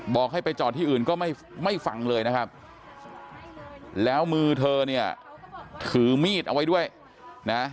บอกให้ไปจอดที่อื่นก็ไม่ฟังเลยนะครับแล้วมือเธอเนี่ยถือมีดเอาไว้ด้วยนะ